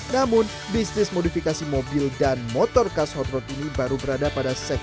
namun bisnis modifikasi mobil dan motor khas hot rod ini baru berada pada segmen pasar tersebut